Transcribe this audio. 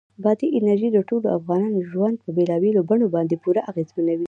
بادي انرژي د ټولو افغانانو ژوند په بېلابېلو بڼو باندې پوره اغېزمنوي.